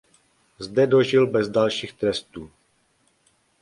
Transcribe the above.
Zde dožil bez dalších trestů.